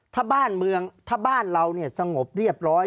ถ้าบ้านเรานี่สงบเรียบร้อย